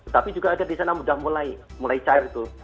tapi juga ada di sana sudah mulai cair itu